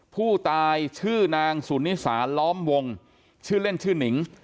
ผู้ตายชื่อนางสุนิสาล้อมวงชื่อเล่นชื่อนิง